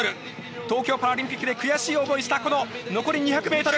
東京パラリンピックで悔しい思いをしたこの残り２００ｍ。